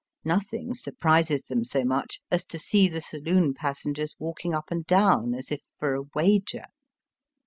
Nothing surprises them so much as to see the saloon passengers walking up and down as if for a wager.